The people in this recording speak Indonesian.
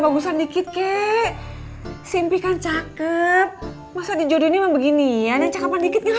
bagus andi kit ke simpikan cakep masa di judulnya beginian yang cekapan dikit